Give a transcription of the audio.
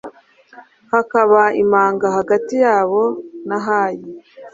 hakaba imanga hagati yabo na hayi